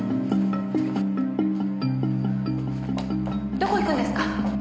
どこ行くんですか？